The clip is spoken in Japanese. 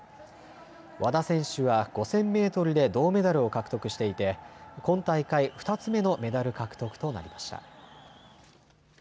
和田選手は５０００メートルで銅メダルを獲得していて今大会２つ目のメダル獲得となりました。